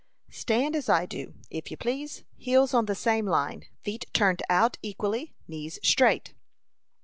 "Stand as I do, if you please heels on the same line, feet turned out equally, knees straight."